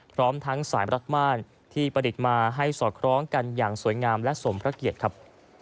พร้อมทั้งสายรัดม่านที่ประดิษฐ์มาให้สอดคล้องกันอย่างสวยงามและสมพระเกียรติครับ